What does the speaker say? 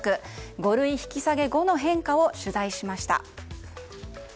５類引き下げ後の変化を取材しました。